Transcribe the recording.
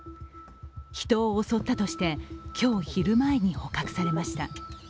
人を襲ったとして今日昼前に捕獲されました。